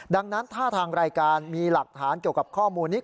ดังนั้นถ้าทางรายการมีหลักฐานเกี่ยวกับข้อมูลนี้